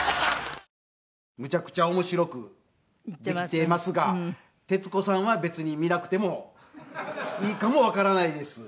むちゃくちゃ面白くできていますが徹子さんは別に見なくてもいいかもわからないです。